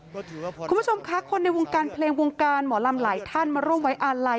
คุณผู้ชมค่ะคนในวงการเพลงวงการหมอลำหลายท่านมาร่วมไว้อาลัย